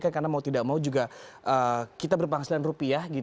karena mau tidak mau juga kita berpenghasilan rupiah